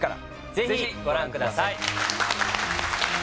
ぜひご覧ください。